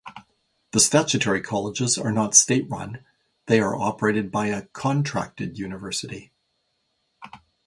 The statutory colleges are not state-run; they are operated by a 'contracted' university.